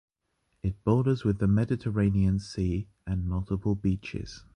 It borders with the Mediterranean sea and multiple beaches.